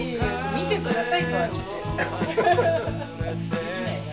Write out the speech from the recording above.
見てくださいとはちょっと言って。